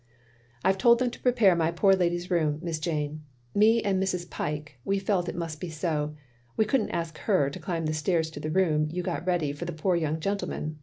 I 've told them to prepare my poor lady's room, Miss Jane. Me and Mrs. Pyke — ^we felt it must be so. We couldn't ask her to climb the stairs to the room you got ready for the poor young gentleman.